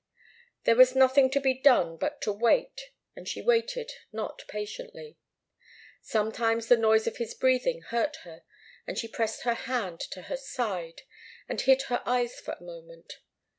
There was nothing to be done but to wait, and she waited, not patiently. Sometimes the noise of his breathing hurt her, and she pressed her hand to her side, and hid her eyes for a moment.